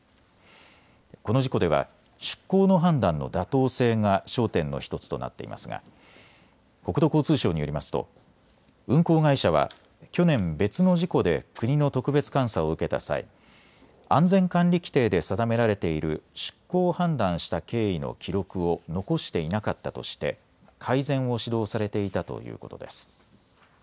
この事故では出航の判断の妥当性が焦点の１つとなっていますが国土交通省によりますと運航会社は去年、別の事故で国の特別監査を受けた際、安全管理規程で定められている出航を判断した経緯の記録を残していなかったとして改善を指導されていたということです。